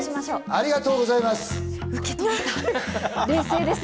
ありがとうございます。